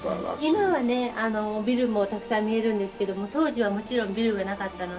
今はねビルもたくさん見えるんですけども当時はもちろんビルはなかったので。